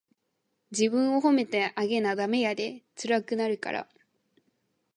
自分を褒めてあげなダメやで、つらくなるから。